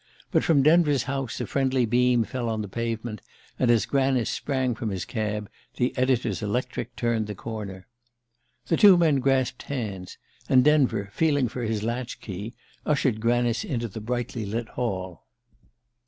But from Denver's house a friendly beam fell on the pavement; and as Granice sprang from his cab the editor's electric turned the corner. The two men grasped hands, and Denver, feeling for his latch key, ushered Granice into the brightly lit hall.